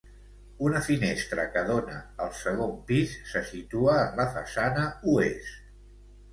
Una finestra que dona al segon pis se situa en la façana oest.